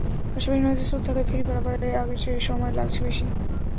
পাশাপাশি নদীতে স্রোত থাকায় ফেরি পারাপারে আগের চেয়ে সময়ও লাগছে বেশি।